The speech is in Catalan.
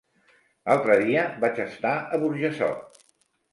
L'altre dia vaig estar a Burjassot.